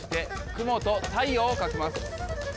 雲と太陽を描きます。